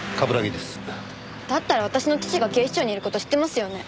だったら私の父が警視庁にいる事知ってますよね？